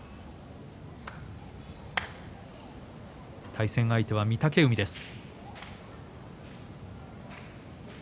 対戦相手は御嶽海です。